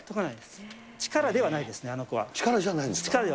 力ではないで力じゃないんですか。